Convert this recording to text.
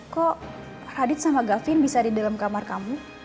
kok radit sama gavin bisa di dalam kamar kamu